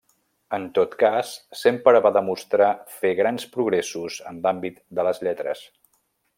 En tot cas, sempre va demostrar fer grans progressos en l'àmbit de les lletres.